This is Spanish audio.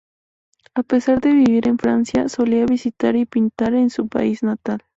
A pesar de vivir en Francia, solía visitar y pintar en su país natal.